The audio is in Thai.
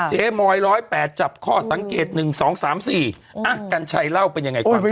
เมอย๑๐๘จับข้อสังเกต๑๒๓๔กัญชัยเล่าเป็นยังไงก่อน